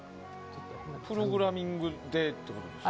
プログラミングでってことですか？